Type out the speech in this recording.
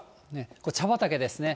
これ、茶畑ですね。